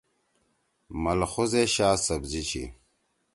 ملخوزے شا سبزی چھی۔